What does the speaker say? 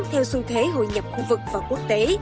theo xu thế hội nhập khu vực và quốc tế